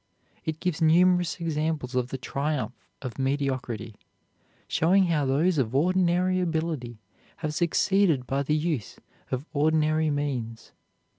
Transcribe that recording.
It gives numerous examples of the triumph of mediocrity, showing how those of ordinary ability have succeeded by the use of ordinary means.